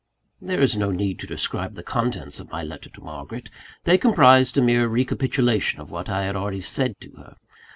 There is no need to describe the contents of my letter to Margaret; they comprised a mere recapitulation of what I had already said to her.